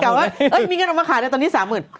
กลับว่ามีเงินออกมาขายแต่ตอนนี้สามหมื่น